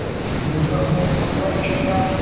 もうもう座って座って。